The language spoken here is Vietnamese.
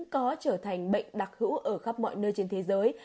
có trở thành bệnh đặc hữu ở khắp mọi nơi trên thế giới